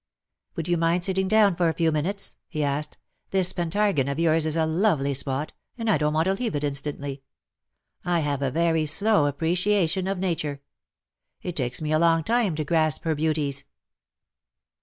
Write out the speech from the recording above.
" Would you mind sitting down for a few minutes V^ he asked ;" this Pentargon of yours is a lovely spot,, and I don^t want to leave it instantly. I have a very slow appreciation of Nature. It takes me a long time to grasp her beauties."